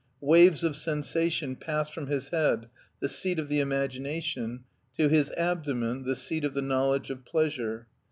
Waves of sensation passed from his head, the seat of the imagination, to his abdomen, the seat of the knowledge of pleasure.